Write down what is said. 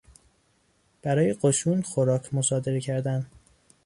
برای قشون خوراک مصادره کردن